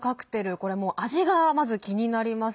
これもう味が、まず気になります。